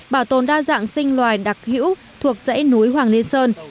bảo tồn đa dạng sinh loài đặc hữu thuộc dãy núi hoàng liên sơn